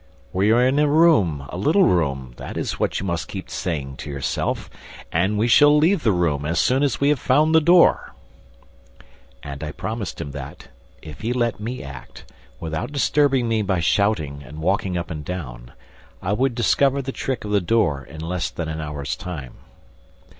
"We are in a room, a little room; that is what you must keep saying to yourself. And we shall leave the room as soon as we have found the door." And I promised him that, if he let me act, without disturbing me by shouting and walking up and down, I would discover the trick of the door in less than an hour's time.